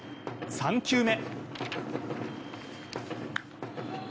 ３球目。